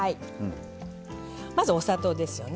まず、お砂糖ですよね。